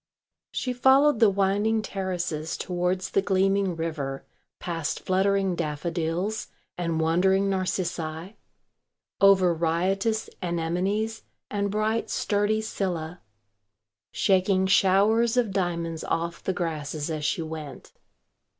She followed the winding terraces towards the gleaming river, past fluttering daffodils and wandering narcissi, over riotous anemones and bright sturdy scyllæ, shaking showers of diamonds off the grasses as she went.